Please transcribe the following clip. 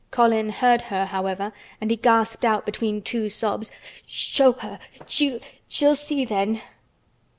Colin heard her, however, and he gasped out between two sobs: "Sh show her! She she'll see then!"